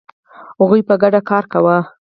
هغوی په ګډه کار کاوه.